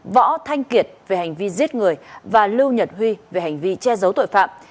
võ thanh kiệt về hành vi giết người và lưu nhật huy về hành vi che giấu tội phạm